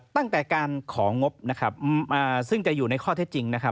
ตั้งแต่การของบซึ่งจะอยู่ในข้อเท็จจริง